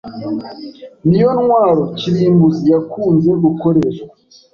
niyo ntwaro kirimbuzi yakunze gukoreshwa